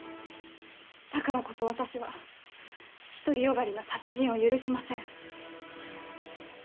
だからこそ私は独り善がりな殺人を許しません。